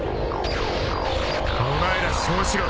お前らそうしろ。